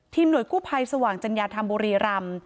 หน่วยกู้ภัยสว่างจัญญาธรรมบุรีรำ